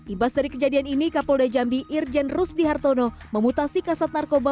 imbas dari kejadian ini kapolda jambi irjen rusdi hartono memutasi kasat narkoba